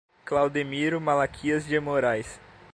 Claudemiro Malaquias de Morais